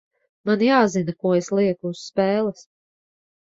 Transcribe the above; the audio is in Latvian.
Man jāzina, ko es lieku uz spēles.